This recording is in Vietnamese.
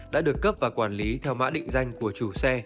đã được cấp và quản lý theo mã định danh của chủ xe